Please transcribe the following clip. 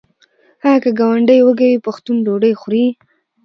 آیا که ګاونډی وږی وي پښتون ډوډۍ خوري؟